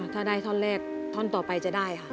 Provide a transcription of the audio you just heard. ถ้าได้ท่อนแรกท่อนต่อไปจะได้ค่ะ